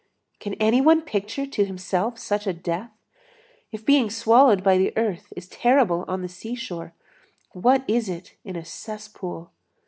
Can any one picture to himself such a death? If being swallowed by the earth is terrible on the seashore, what is it in a cesspool?